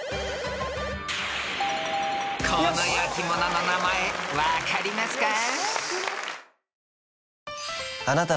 ［この焼き物の名前分かりますか？］